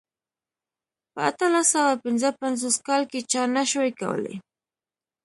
په اتلس سوه پنځه پنځوس کال کې چا نه شوای کولای.